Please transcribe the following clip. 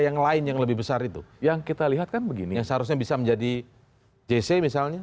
yang lain yang lebih besar itu yang kita lihat kan begini yang seharusnya bisa menjadi jc misalnya